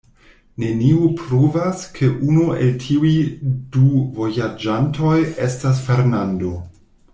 Nenio pruvas, ke unu el tiuj du vojaĝantoj estas Fernando.